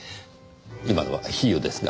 今のは比喩ですが。